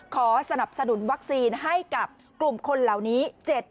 ขอสนับสนุนวัคซีนให้กับกลุ่มคนเหล่านี้